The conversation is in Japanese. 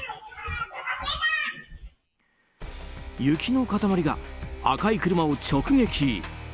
雪の塊が赤い車を直撃。